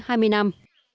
hai miên nam